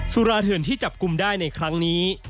สุราเถื่อนที่จับกลุ่มได้ในครั้งนี้